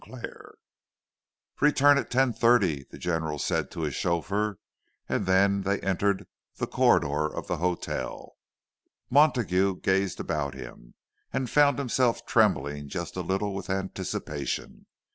CHAPTER I "Return at ten thirty," the General said to his chauffeur, and then they entered the corridor of the hotel. Montague gazed about him, and found himself trembling just a little with anticipation.